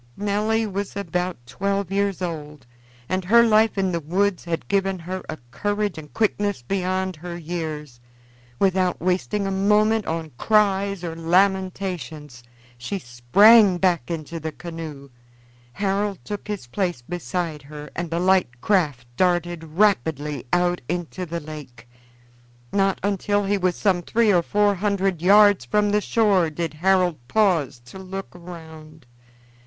Nelly was about twelve years old, and her life in the woods had given her a courage and quickness beyond her years. Without wasting a moment on cries or lamentations, she sprang back into the canoe. Harold took his place beside her, and the light craft darted rapidly out into the lake. Not until he was some three or four hundred yards from the shore did Harold pause to look round.